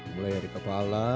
mulai dari kepala